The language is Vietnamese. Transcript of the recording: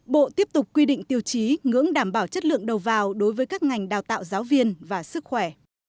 bộ tiếp tục quy định tiêu chí ngưỡng đảm bảo chất lượng đầu vào đối với các ngành đào tạo giáo viên và sức khỏe